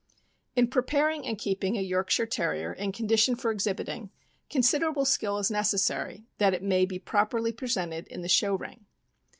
In preparing and keeping a Yorkshire Terrier in condi tion for exhibiting, considerable skill is necessary that it may be properly presented in the show ring.